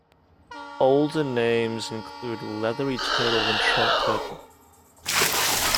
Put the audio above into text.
Older names include "leathery turtle" and "trunk turtle".